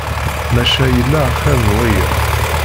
Maca yella axir n waya.